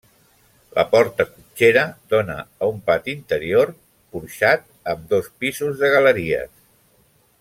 La porta cotxera dóna a un pati interior porxat amb dos pisos de galeries.